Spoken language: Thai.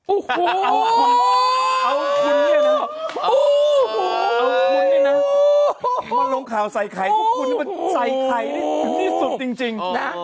โอ้โหเอาคุณเนี่ยนะมาลงข่าวใส่ไข่เพราะคุณเนี่ยมันใส่ไข่นี่ที่สุดจริง